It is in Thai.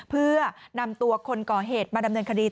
เพื่อนำตัวคนก่อเหตุมาดำเนินคดี